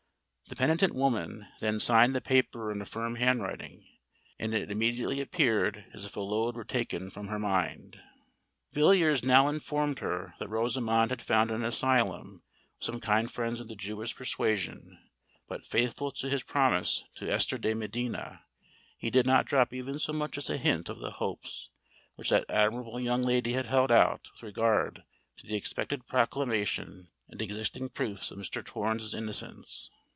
The penitent woman then signed the paper in a firm handwriting; and it immediately appeared as if a load were taken from her mind. Villiers now informed her that Rosamond had found an asylum with some kind friends of the Jewish persuasion; but, faithful to his promise to Esther de Medina, he did not drop even so much as a hint of the hopes which that admirable young lady had held out with regard to the expected proclamation and existing proofs of Mr. Torrens' innocence.